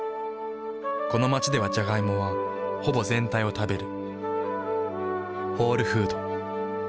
この街ではジャガイモはほぼ全体を食べる。